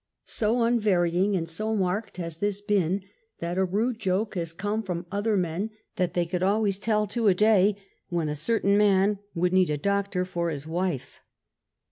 So unvar3nng and so marked has this been, that a rude joke has come from other men that they could alwa3^s tell to a day when a certain man would need a doctor for his wife.